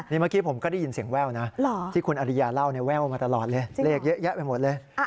เมื่อกี้ผมก็ได้ยินเสียงแว่วนะที่คุณอริยาเล่าเนี่ยแว่วมาตลอดเลยเลขเยอะแยะไปหมดเลย